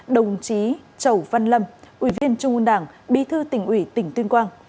đồng chí chẩu văn lâm ủy viên trung ương đảng bí thư tỉnh ủy tỉnh tuyên quang